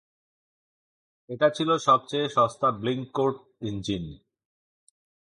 এটা ছিল সবচেয়ে সস্তা ব্লিঙ্ককোর্ট ইঞ্জিন।